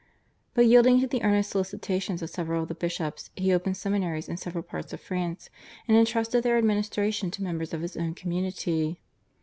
But yielding to the earnest solicitations of several of the bishops he opened seminaries in several parts of France, and entrusted their administration to members of his own community.